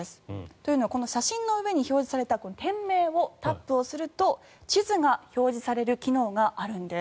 というのはこの写真の上に表示された店名をタップをすると地図が表示される機能があるんです。